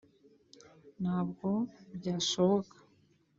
ntabwo byashoboka